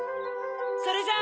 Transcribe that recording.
それじゃあ！